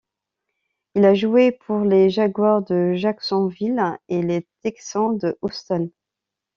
Il a joué pour les Jaguars de Jacksonville et les Texans de Houston.